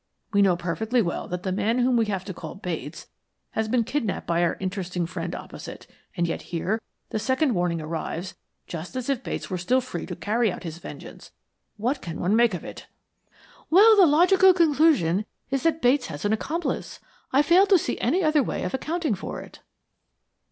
We know perfectly well that the man whom we have to call Bates has been kidnapped by our interesting friend opposite, and yet here the second warning arrives just as if Bates were still free to carry out his vengeance. What can one make of it?" "Well, the logical conclusion is that Bates has an accomplice. I fail to see any other way of accounting for it."